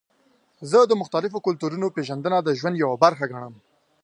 زه د مختلفو کلتورونو پیژندنه د ژوند یوه برخه ګڼم.